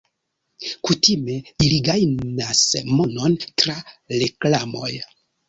Kutime ili gajnas monon tra reklamoj.